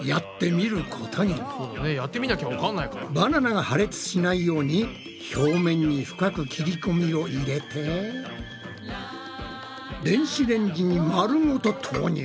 バナナが破裂しないように表面に深く切り込みを入れて電子レンジに丸ごと投入！